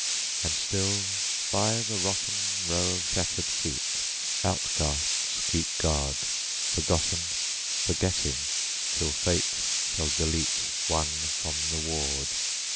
And still by the rottenRow of shattered feet, Outcasts keep guard. Forgotten, Forgetting, till fate shall deleteOne from the ward.